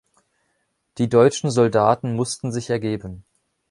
Die deutschen Soldaten mussten sich ergeben.